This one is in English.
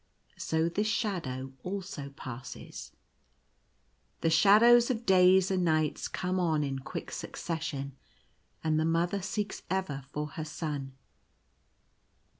So this shadow also passes. The shadows of days and nights come on in quick suc cession ; and the Mother seeks ever for her Son.